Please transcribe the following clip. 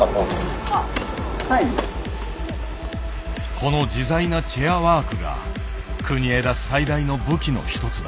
この自在なチェアワークが国枝最大の武器の一つだ。